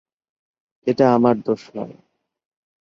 এটা আমার দোষ নয়।